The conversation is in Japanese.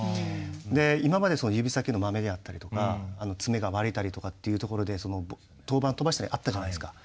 で今までその指先のまめであったりとか爪が割れたりとかっていうところで登板を飛ばしたりあったじゃないですか。